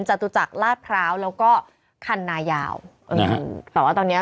จตุจักรลาดพร้าวแล้วก็คันนายาวเออแต่ว่าตอนเนี้ย